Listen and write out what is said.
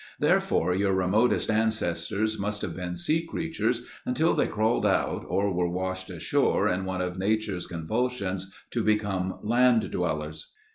Therefore, your remotest ancestors must have been sea creatures until they crawled out or were washed ashore in one of Nature's convulsions to become land dwellers.